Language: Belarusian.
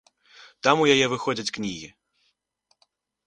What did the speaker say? Там у яе выходзяць кнігі.